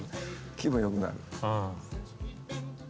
気分よくなる。